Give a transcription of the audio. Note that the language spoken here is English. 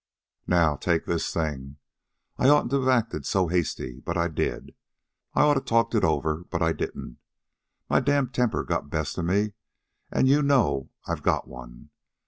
"Now take this thing. I oughtn't to acted so hasty. But I did. I oughta talked it over. But I didn't. My damned temper got the best of me, an' you know I got one.